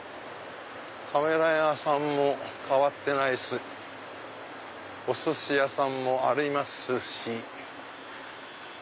カメラ屋さんも変わってないしおすし屋さんもありますし。